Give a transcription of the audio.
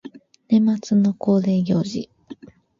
年末の恒例行事